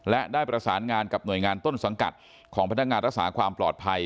และได้ประสานงานกับหน่วยงานต้นสังกัดของพนักงานรักษาความปลอดภัย